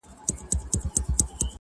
نن پرې را اوري له اسمانــــــــــه دوړي’